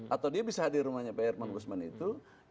atau dia bisa hadir rumahnya pak herman guzman itu